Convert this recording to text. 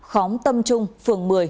khóm tâm trung phường một mươi